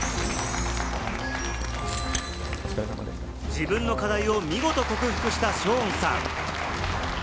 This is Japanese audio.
自分の課題を見事克服したショーンさん。